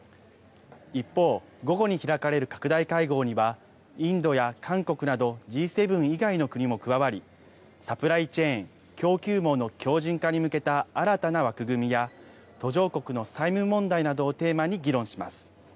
一方、午後に開かれる拡大会合にはインドや韓国などＧ７以外の国も加わり、サプライチェーン・供給網の強じん化に向けた新たな枠組みや途上国の債務問題などをテーマに議論します。